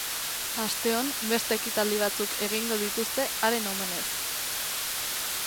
Asteon beste ekitaldi batzuk egingo dituzte haren omenez.